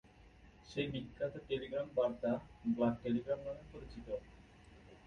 তার সেই বিখ্যাত টেলিগ্রাম বার্তা ব্লাড টেলিগ্রাম নামে পরিচিত।